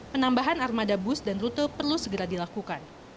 penambahan armada bus dan rute perlu segera dilakukan